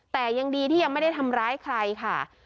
แต่ยังดีที่ยังไม่ได้ทำร้ายใครค่ะ